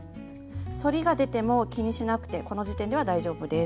反りが出ても気にしなくてこの時点では大丈夫です。